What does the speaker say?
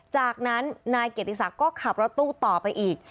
จากนั้นนายเกียรติศักดิ์ก็ขับรถตู้ต่อไปอีก